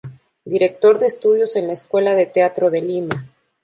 Director de Estudios en la Escuela de Teatro de Lima.